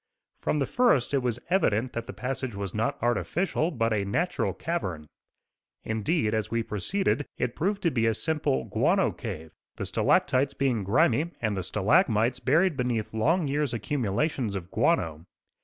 From the first it was evident that the passage was not artificial, but a natural cavern. Indeed as we proceeded it proved to be a simple guano cave, the stalactites being grimy and the stalagmites buried beneath long years accumulations of guano.